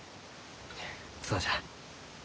そうじゃ。